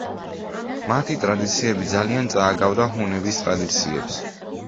მათი ტრადიციები ძალიან წააგავდა ჰუნების ტრადიციებს.